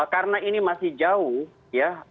karena ini masih jauh ya